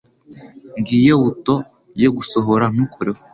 Ngiyo buto yo gusohora. Ntukoreho.